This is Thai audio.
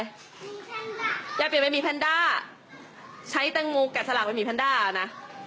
อยากเปลี่ยนเป็นหมีแพนด้าใช้ตังโงกัดสลับเป็นหมีแพนด้านะ